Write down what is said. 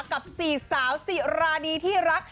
กับ๔สาวสิราดีที่รัก